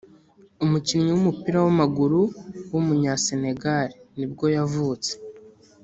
umukinnyi w’umupira w’amaguru w’umunyasenegal nibwo yavutse